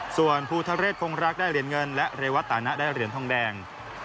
ส่วนภูทะเรศคงรักได้เหรียญเงินและเรวัตตานะได้เหรียญทองแดง